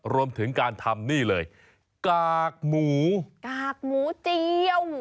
รวมถึงการทำนี่เลยกากหมูกากหมูเจียว